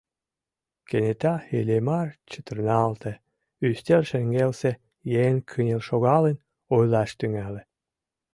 Кенета Иллимар чытырналте: ӱстел шеҥгелсе еҥ кынел шогалын ойлаш тӱҥале.